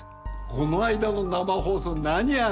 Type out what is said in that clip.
この間の生放送何？